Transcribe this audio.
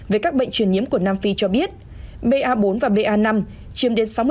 về các bệnh truyền nhiễm của nam phi cho biết ba bốn và ba năm chiếm đến sáu mươi